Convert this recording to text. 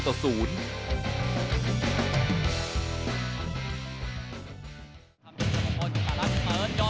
เรียบร้อย